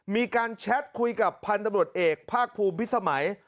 มีการแช็ตคุยกับพันฯตำรวจเอกภาคภูมิวิทธิสมัย